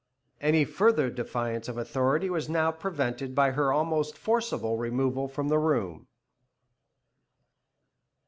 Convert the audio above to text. Any further defiance of authority was now prevented by her almost forcible removal from the room.